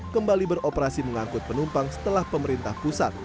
kembali beroperasi mengangkut penumpang setelah pemerintah pusat